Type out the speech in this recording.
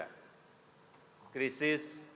krisis demi krisis masih menyebabkan